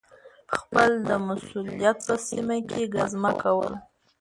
خپل د مسؤلیت په سیمه کي ګزمه کول